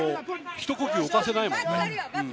ひと呼吸置かせないもんね。